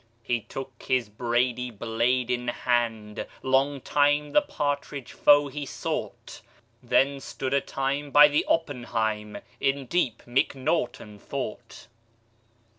He took his brady blade in hand; Long time the partridge foe he sought. Then stood a time by the oppenheim In deep mcnaughton thought.